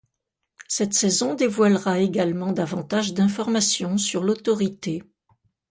Cette saison dévoilera également davantage d'informations sur l'Autorité.